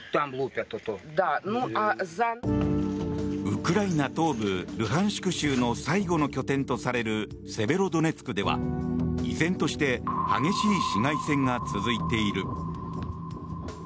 ウクライナ東部ルハンシク州の最後の拠点とされるセベロドネツクでは依然として激しい市街戦が続いている。